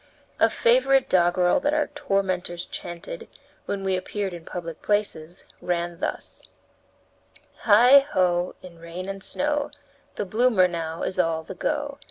A favorite doggerel that our tormentors chanted, when we appeared in public places, ran thus: "Heigh! ho! in rain and snow, The bloomer now is all the go.